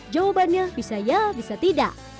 jawabannya bisa ya bisa tidak